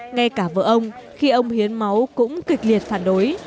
ngay cả vợ ông khi ông hiến máu cũng kịch liệt phản đối